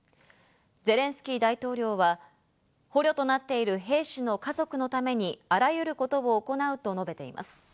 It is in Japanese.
ゼレンスキー大統領は、捕虜となっている兵士の家族のためにあらゆることを行うと述べています。